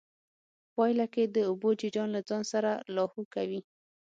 پايله کې د اوبو جريان له ځان سره لاهو کوي.